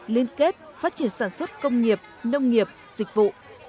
liên kết phát triển sản xuất công nghiệp nông nghiệp dịch vụ